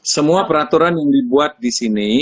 semua peraturan yang dibuat disini